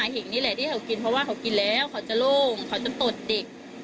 เพราะว่าเขากินแล้วเขาจะโร่งเขาจะตดติก